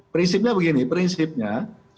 prinsipnya begini prinsipnya